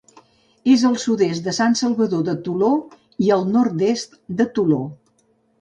És al sud-est de Sant Salvador de Toló i al nord-est de Toló.